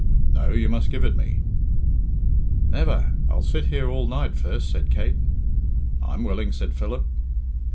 "No; you must give it me." "Never! I'll sit here all night first," said Kate. "I'm willing," said Philip.